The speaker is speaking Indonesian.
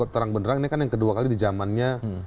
terang benderang ini kan yang kedua kali di jamannya